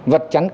vật chắn cứng